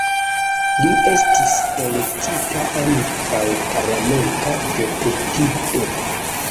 Li estis elektita ankaŭ parlamenta deputito.